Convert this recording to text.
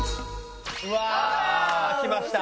うわあきました。